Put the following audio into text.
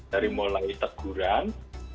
dari mulai teguran